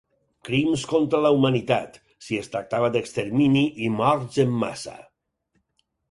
Crims contra la humanitat, si es tractava d’extermini i morts en massa.